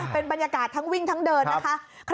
เป็นบรรยากาศทั้งวิ่งทั้งเดินนะคะ